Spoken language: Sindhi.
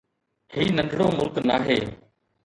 هي ننڍڙو ملڪ ناهي.